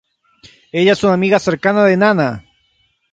Ella es una amiga cercana de Nana.